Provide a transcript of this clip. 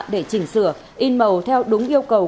để chỉnh sửa in màu theo đúng yêu cầu